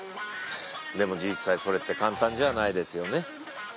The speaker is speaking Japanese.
でも実際それって簡単じゃあないですよね。